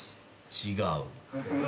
違う？